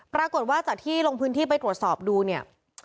ปรากฏว่าจากที่ลงพื้นที่ไปตรวจสอบดูเนี่ย